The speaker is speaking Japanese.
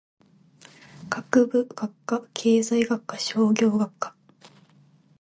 学部・学科経済学部商業学科